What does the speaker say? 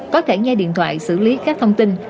có thể nghe điện thoại xử lý các thông tin